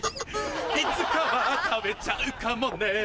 いつかは食べちゃうかもね